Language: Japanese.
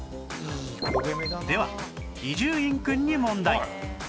では伊集院くんに問題